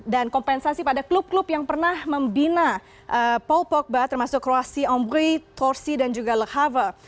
dan kompensasi pada klub klub yang pernah membina paul pogba termasuk kroasi omri torsi dan juga le havre